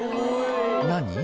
「何？